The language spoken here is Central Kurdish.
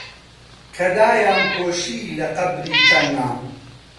کە دایانپۆشی لە قەبری تەنگا